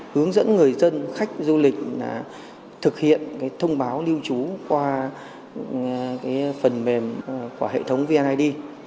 hướng dẫn người dân khách du lịch thực hiện thông báo lưu trú qua phần mềm của hệ thống vnid